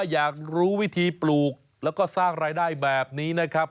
อยากรู้วิธีปลูกแล้วก็สร้างรายได้แบบนี้นะครับ